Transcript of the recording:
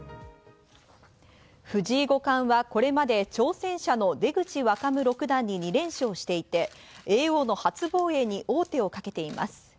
藤井五冠はこれまで挑戦者の出口若武六段に２連勝していて、叡王の初防衛に王手をかけています。